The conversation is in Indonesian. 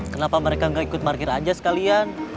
kenapa mereka gak ikut markir aja sekalian